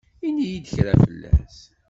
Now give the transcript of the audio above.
Init-yi-d kra fell-as.